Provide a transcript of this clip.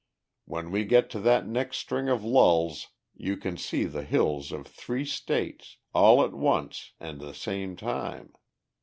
When we get to that next string of lulls you can see the hills of three states, all at once and the same time.